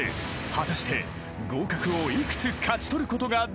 ［果たして合格を幾つ勝ち取ることができるのか？］